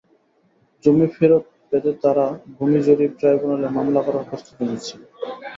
জমি ফেরত পেতে তাঁরা ভূমি জরিপ ট্রাইব্যুনালে মামলা করার প্রস্তুতি নিচ্ছেন।